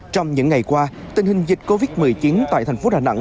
trong những ngày qua tình hình dịch covid một mươi chín tại thành phố đà nẵng